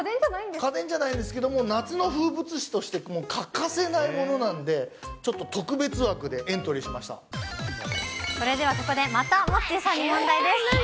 家電じゃないんですけども、夏の風物詩として欠かせないものなんで、ちょっと特別枠でエントそれではここでまたモッチーさんに問題です。